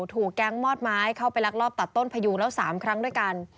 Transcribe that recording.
ถูกแก๊งมอดไม้เข้าไปลักลอบตัดต้นพยูงแล้ว๓ครั้งด้วยกัน